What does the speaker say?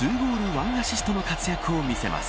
１アシストの活躍を見せます。